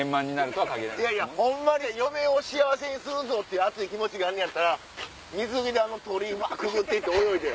ホンマに嫁を幸せにするぞ！って熱い気持ちがあんねやったら水着であの鳥居くぐって行って泳いで。